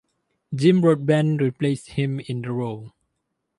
Jim Broadbent replaced him in the role.